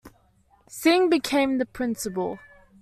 Singh became the Principal.